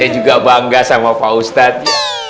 saya juga bangga sama pak ustadz